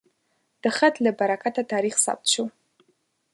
د خط له برکته تاریخ ثبت شو.